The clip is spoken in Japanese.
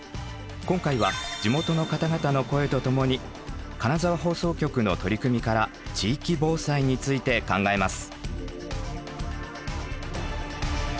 今回は地元の方々の声とともに金沢放送局の取り組みから“地域防災”について考えます。